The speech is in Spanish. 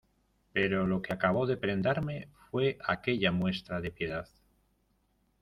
¡ pero lo que acabó de prendarme fue aquella muestra de piedad!